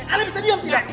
ale bisa diam tidak